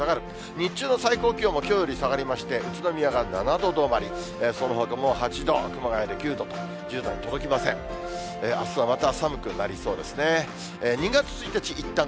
日中の最高気温もきょうより下がりまして、宇都宮が７度止まり、そのほかも８度、熊谷で９度、１０度に届きません。